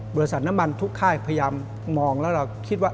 บริษัทน้ำมันทุกค่ายพยายามมองแล้วเราคิดว่า